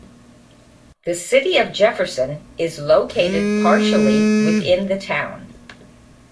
The city of Jefferson is located partially within the town.